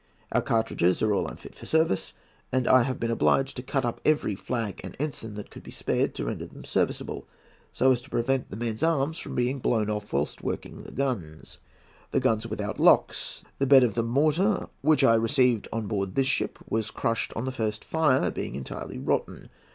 Our cartridges are all unfit for service, and I have been obliged to cut up every flag and ensign that could be spared to render them serviceable, so as to prevent the men's arms being blown off whilst working the guns. The guns are without locks. The bed of the mortar which I received on board this ship was crushed on the first fire, being entirely rotten.